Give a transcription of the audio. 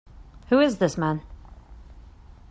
Who is this man?